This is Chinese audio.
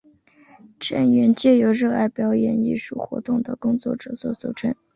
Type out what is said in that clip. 成员皆由热爱表演艺术活动的工作者所组成。